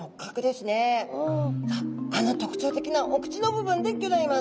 あの特徴的なお口の部分でギョざいます。